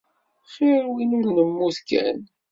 Xir win ur nemmut kan.